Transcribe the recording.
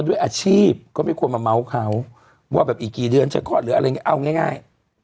ด้วยอาชีพก็ไม่ควรมาเมาส์เขาว่าอีกกี่เดือนช่อยก่อนเอาง่าย